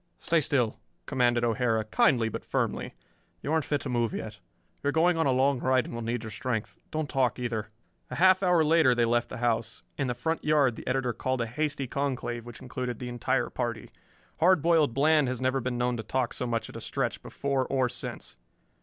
"Stay still," commanded O'Hara, kindly but firmly. "You aren't fit to move yet. You are going on a long ride and will need your strength. Don't talk, either." A half hour later they left the house. In the front yard the editor called a hasty conclave which included the entire party. Hard Boiled Bland has never been known to talk so much at a stretch, before or since.